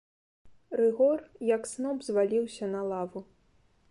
Рыгор як сноп зваліўся на лаву.